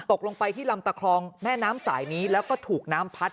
ตกลงไปที่ลำตะคลองแม่น้ำสายนี้แล้วก็ถูกน้ำพัด